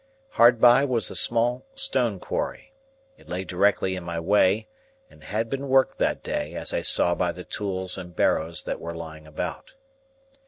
Hard by was a small stone quarry. It lay directly in my way, and had been worked that day, as I saw by the tools and barrows that were lying about.